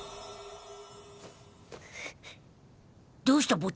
どうした？